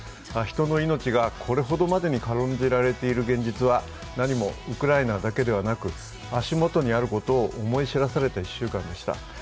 人の命がこれほどまでに軽んじられている現実は何もウクライナだけではなく、足元にあることを思い知らされた１週間でした。